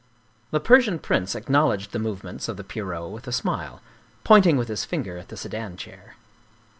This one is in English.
The Persian prince acknowledged the movements of the Pierrot with a smile, pointing with his finger at the sedan chair.